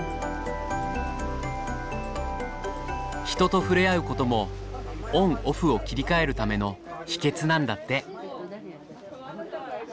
人と触れ合うこともオンオフを切り替えるための秘けつなんだって。